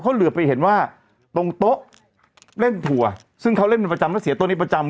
เขาเหลือไปเห็นว่าตรงโต๊ะเล่นถั่วซึ่งเขาเล่นเป็นประจำแล้วเสียโต๊ะนี้ประจำ